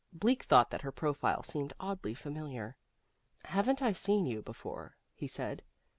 Bleak thought that her profile seemed oddly familiar. "Haven't I seen you before?" he said.